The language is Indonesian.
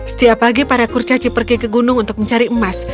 setiap pagi para kurcaci pergi ke gunung untuk mencari emas